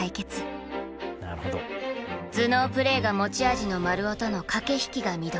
頭脳プレーが持ち味の丸尾との駆け引きが見どころ。